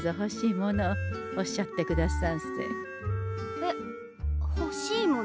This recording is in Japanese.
えっ欲しいもの？